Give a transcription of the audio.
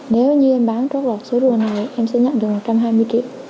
nếu như em bán trốt lọt số rùa này em sẽ nhận được một trăm hai mươi triệu